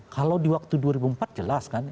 kalau di waktu dua ribu empat jelas kan